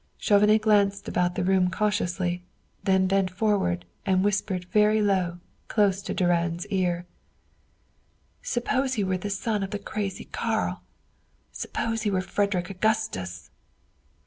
Chauvenet glanced about the room cautiously, then bent forward and whispered very low, close to Durand's ear: "Suppose he were the son of the crazy Karl! Suppose he were Frederick Augustus!"